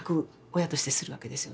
親としてするわけですよね。